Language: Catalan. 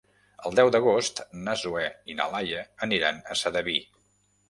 El deu d'agost na Zoè i na Laia aniran a Sedaví.